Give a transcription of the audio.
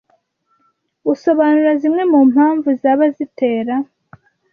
busobanura zimwe mu mpamvu zaba zitera